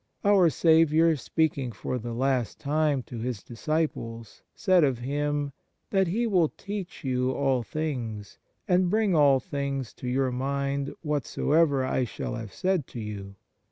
Our Saviour, speaking for the last time to His disciples, said of Him that " He will teach you all things, and bring all things to your mind whatsoever I shall have said to you."